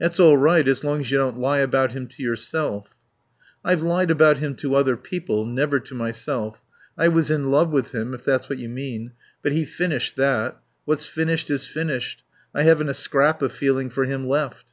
"That's all right as long as you don't lie about him to yourself." "I've lied about him to other people. Never to myself. I was in love with him, if that's what you mean. But he finished that. What's finished is finished. I haven't a scrap of feeling for him left."